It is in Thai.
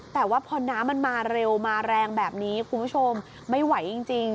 แต่ว่าพอน้ำมันมาเร็วมาแรงแบบนี้คุณผู้ชมไม่ไหวจริง